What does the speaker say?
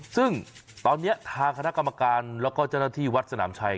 ซึ่งตอนนี้ทางคณะกรรมการแล้วก็เจ้าหน้าที่วัดสนามชัย